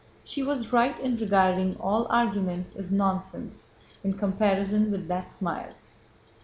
She was right in regarding all arguments as nonsense in comparison with that smile.